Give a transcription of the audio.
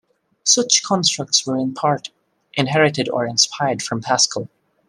Such constructs were in part inherited or inspired from Pascal.